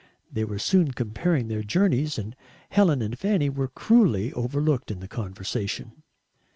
They were soon comparing their journeys, and Helen and Fanny were cruelly overlooked in the conversation.